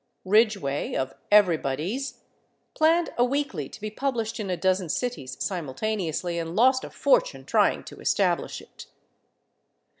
Ridgway, of Everybody's, planned a weekly to be published in a dozen cities simultaneously, and lost a fortune trying to establish it.